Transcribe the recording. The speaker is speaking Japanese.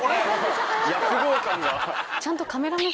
躍動感が。